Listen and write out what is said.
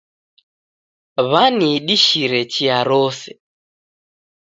W'aniidishire chia rose